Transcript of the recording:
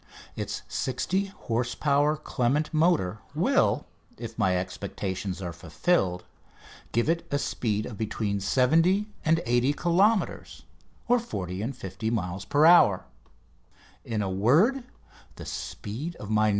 Its 60 horse power Clement motor will, if my expectations are fulfilled, give it a speed of between 70 and 80 kilometres (40 and 50 miles) per hour. In a word, the speed of my "No.